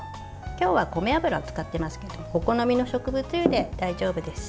今日は米油を使っていますけどお好みの植物油で大丈夫です。